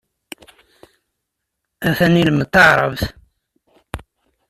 Atan ilemmed taɛrabt.